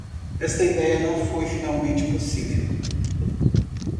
Esta ideia não foi finalmente possível.